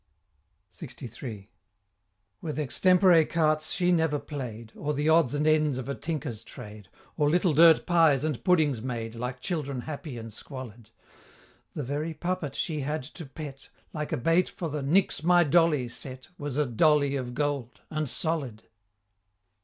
LXIII. With extempore carts she never play'd, Or the odds and ends of a Tinker's Trade, Or little dirt pies and puddings made, Like children happy and squalid; The very puppet she had to pet, Like a bait for the "Nix my Dolly" set, Was a Dolly of gold and solid!